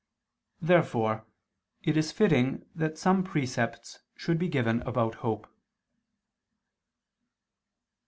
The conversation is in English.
Therefore it is fitting that some precepts should be given about hope.